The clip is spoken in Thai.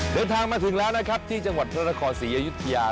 เดินทางมาถึงแล้วนะครับที่จังหวัดพระนครศรีอยุธยา